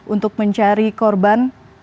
untuk mencari korban